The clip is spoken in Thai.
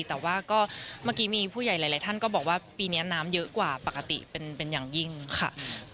แต่ว่าก็เมื่อกี้มีผู้ใหญ่หลายท่านก็บอกว่าปีนี้น้ำเยอะกว่าปกติเป็นอย่างยิ่งค่ะ